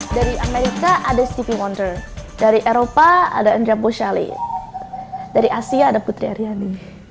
dari amerika ada stevie wonder dari eropa ada andrea bochali dari asia ada putri aryani